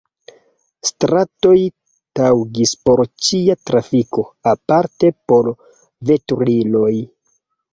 Stratoj taŭgis por ĉia trafiko, aparte por veturiloj.